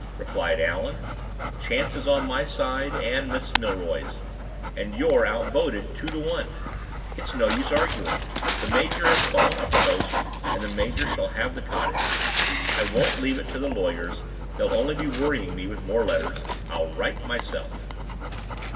replied Allan. "Chance is on my side, and Miss Milroy's; and you're outvoted, two to one. It's no use arguing. The major has fallen uppermost, and the major shall have the cottage. I won't leave it to the lawyers; they'll only be worrying me with more letters. I'll write myself."